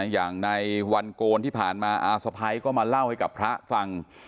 อย่างในวันโกนที่ผ่านมาอาสะพ้ายก็มาเล่าให้กับพระฟัง